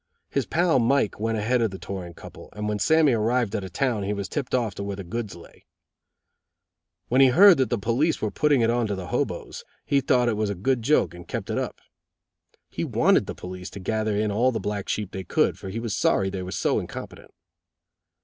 His pal Mike went ahead of the touring couple, and when Sammy arrived at a town he was tipped off to where the goods lay. When he heard that the police were putting it on to the hoboes, he thought it was a good joke and kept it up. He wanted the police to gather in all the black sheep they could, for he was sorry they were so incompetent.